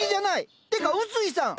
ってか薄井さん！